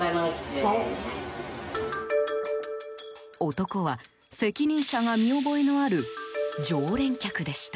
男は、責任者が見覚えのある常連客でした。